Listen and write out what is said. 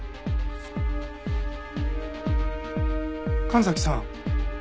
神崎さん